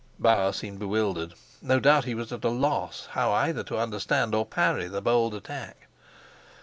Bauer seemed bewildered: no doubt he was at a loss how either to understand or to parry the bold attack.